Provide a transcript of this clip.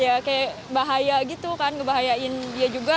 ya kayak bahaya gitu kan ngebahayain dia juga